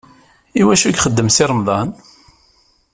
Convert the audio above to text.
I wacu i ixeddem Si Remḍan?